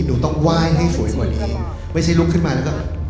หนูต้องไหว้ให้สวยกว่านี้ไม่ใช่ลุกขึ้นมาแล้วก็